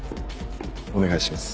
お願いします